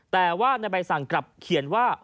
แต่ว่าในใบสั่งกลับเขียนว่า